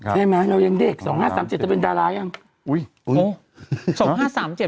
ใช่ไหมเรายังเด็ก๒๕๓๗จะเป็นดารายัง